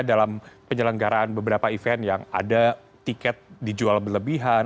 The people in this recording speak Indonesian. dalam penyelenggaraan beberapa event yang ada tiket dijual berlebihan